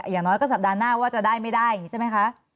อย่างน้อยก็สัปดาห์หน้าว่าจะได้ไม่ได้อย่างนี้ใช่ไหมคะ